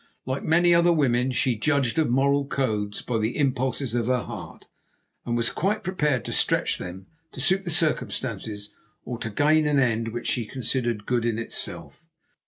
Like many other women, she judged of moral codes by the impulses of her heart, and was quite prepared to stretch them to suit circumstances or to gain an end which she considered good in itself.